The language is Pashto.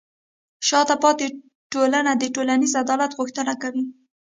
شاته پاتې ټولنه د ټولنیز عدالت غوښتنه کوي.